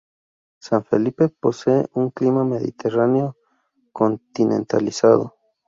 San Felipe posee un clima mediterráneo continentalizado.